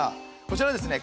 こちらですね